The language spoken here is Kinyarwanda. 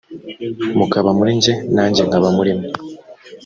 mukaba muri jye nanjye nkaba muri mwe